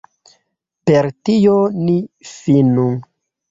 Per tio ni finu.